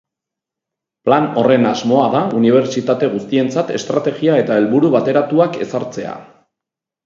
Plan horren asmoa da unibertsitate guztientzat estrategia eta helburu bateratuak ezartzea.